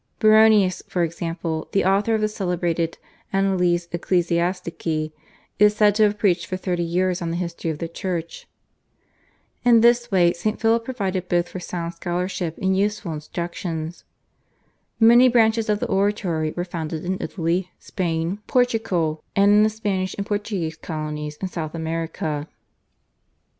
Baronius, for example, the author of the celebrated /Annales Ecclesiastici/, is said to have preached for thirty years on the history of the Church. In this way St. Philip provided both for sound scholarship and useful instruction. Many branches of the Oratory were founded in Italy, Spain, Portugal, and in the Spanish and Portuguese colonies in South America.